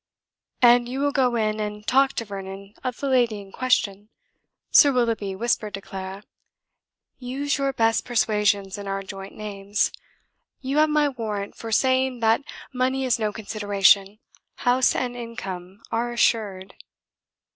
"And you will go in, and talk to Vernon of the lady in question," Sir Willoughby whispered to Clara. "Use your best persuasions in our joint names. You have my warrant for saying that money is no consideration; house and income are assured.